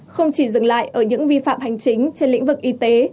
không chỉ dừng lại ở những vi phạm hành chính trên lĩnh vực y tế